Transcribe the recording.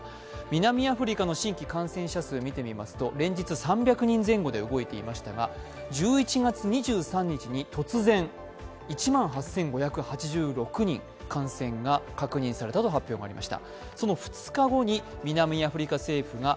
南アフリカの新規感染者数を見ると連日３００人前後で動いていましたが１１月２３日に突然１万８５８６人感染したと発表がありました。